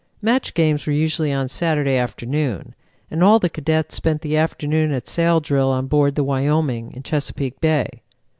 "Match games were usually on Saturday afternoon, and all the cadets spent the forenoon at sail drill on board the Wyoming in Chesapeake Bay.